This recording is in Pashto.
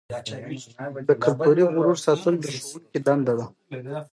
د کلتوري غرور ساتل د ښوونکي دنده ده.